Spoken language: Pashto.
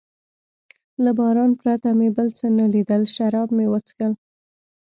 له باران پرته مې بل څه نه لیدل، شراب مې و څښل.